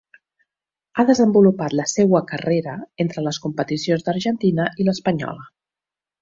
Ha desenvolupat la seua carrera entre les competicions d'Argentina i l'espanyola.